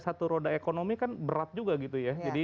satu roda ekonomi kan berat juga gitu ya